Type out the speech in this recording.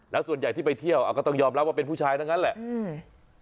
แล้วส่วนใหญ่ที่ไปเที่ยวก็ต้องยอมรับว่าเป็นผู้ชายทั้งนั้นแหละอืม